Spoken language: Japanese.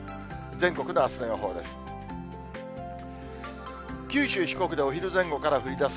全国のあすの予報です。